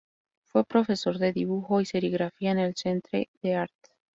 Fue profesor de dibujo y serigrafía en el Centre d'Art.